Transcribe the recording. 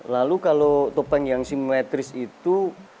lalu kalau topeng yang simetris itu